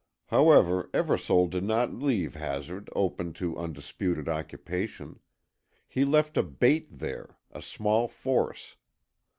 However, Eversole did not leave Hazard open to undisputed occupation. He left a bait there, a small force.